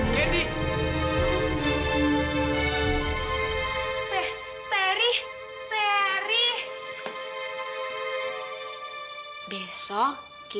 badai nya aku